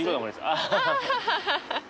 アハハッ。